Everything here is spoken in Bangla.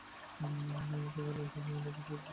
আমি অল্প বিষয় নিয়ে অনেক বেশি অস্থির হয়ে পরি।